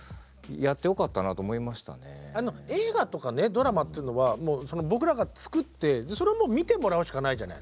ドラマっていうのは僕らが作ってそれを見てもらうしかないじゃない。